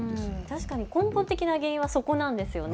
確かに根本的な原因はそこなんですよね。